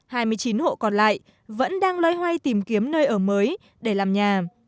hai mươi chín hộ còn lại vẫn đang loay hoay tìm kiếm nơi ở mới để làm nhà